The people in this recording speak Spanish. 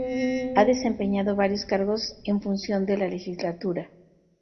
Ha desempeñado varios cargos en función de la legislatura.